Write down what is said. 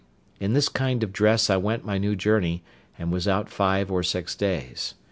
In this kind of dress I went my new journey, and was out five or six days.